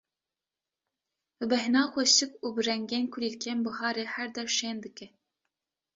bi bêhna xweşik û bi rengên kulîlkên biharê her der şên dike.